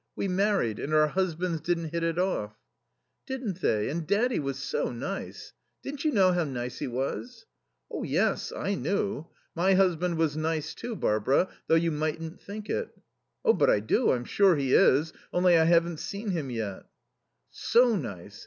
We married, and our husbands didn't hit it off." "Didn't they? And daddy was so nice. Didn't you know how nice he was?" "Oh, yes. I knew. My husband was nice, too, Barbara; though you mightn't think it." "Oh, but I do. I'm sure he is. Only I haven't seen him yet." "So nice.